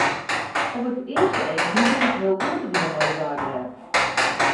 Op it earste each liket it heel goed te gean mei de deiblêden.